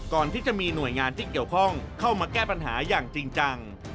ก่อนที่จะมีหน่วยงานที่เกี่ยวข้องเข้ามาแก้ปัญหาอย่างจริงจัง